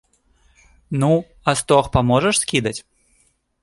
Ну, а стог паможаш скідаць?